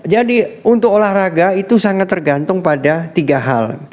jadi untuk olahraga itu sangat tergantung pada tiga hal